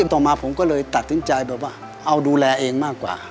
ต่อมาผมก็เลยตัดสินใจแบบว่าเอาดูแลเองมากกว่า